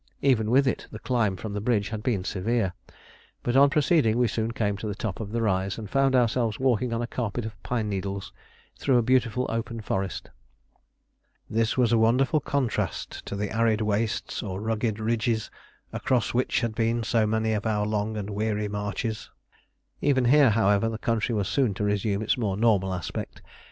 Even with it, the climb from the bridge had been severe, but on proceeding we soon came to the top of the rise and found ourselves walking on a carpet of pine needles through a beautiful open forest. This was a wonderful contrast to the arid wastes or rugged ridges across which had been so many of our long and weary marches. Even here, however, the country was soon to resume its more normal aspect.